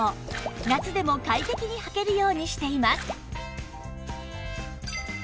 夏でも快適にはけるようにしています